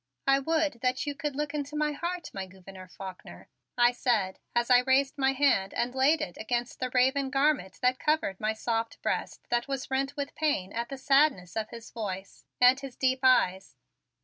"I would that you could look into my heart, my Gouverneur Faulkner," I said as I raised my hand and laid it against the raven garment that covered my soft breast that was rent with pain at the sadness of his voice and his deep eyes.